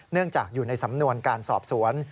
จากอยู่ในสำนวนการสอบสวน